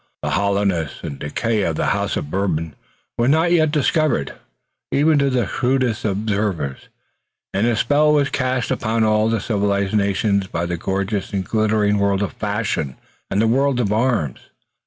The hollowness and decay of the House of Bourbon were not yet disclosed, even to the shrewdest observers, and a spell was cast upon all the civilized nations by the gorgeous and glittering world of fashion and the world of arms.